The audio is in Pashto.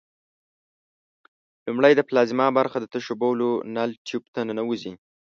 لومړی د پلازما برخه د تشو بولو نل ټیوب ته ننوزي.